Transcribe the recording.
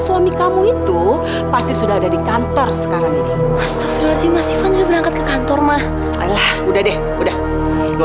sampai jumpa di video selanjutnya